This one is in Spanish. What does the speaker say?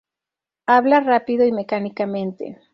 Habla rápido y mecánicamente.